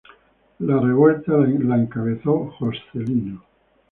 La revuelta la encabezó Joscelino.